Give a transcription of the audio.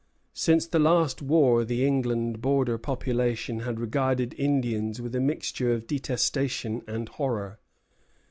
Since the last war the New England border population had regarded Indians with a mixture of detestation and horror.